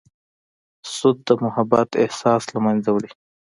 سود د محبت احساس له منځه وړي.